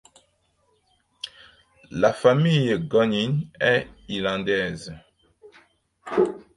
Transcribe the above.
La famille Gunning est irlandaise.